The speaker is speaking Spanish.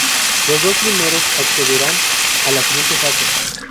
Los dos primeros accederán a la siguiente fase.